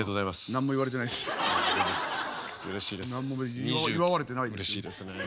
何も祝われてないですけど。